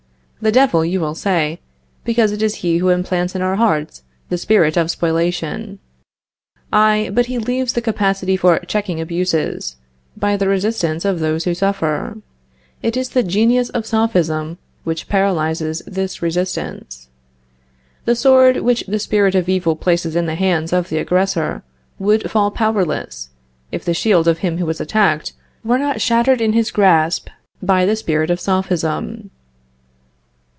The Devil, you will say, because it is he who implants in our hearts the spirit of spoliation. Aye; but he leaves the capacity for checking abuses, by the resistance of those who suffer. It is the genius of Sophism which paralyzes this resistance. The sword which the spirit of evil places in the hands of the aggressor, would fall powerless, if the shield of him who is attacked were not shattered in his grasp by the spirit of Sophism.